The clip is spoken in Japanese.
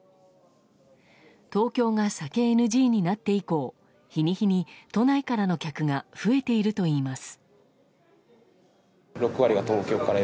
東京が酒ＮＧになって以降日に日に都内からの客が増えているといいます。